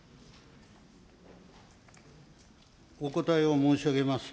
お答えを申し上げます。